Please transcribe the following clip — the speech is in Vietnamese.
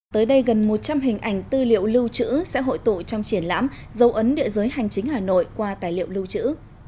tới đây gần một trăm linh hình ảnh tư liệu lưu trữ sẽ hội tụ trong triển lãm dấu ấn địa giới hành chính hà nội qua tài liệu lưu trữ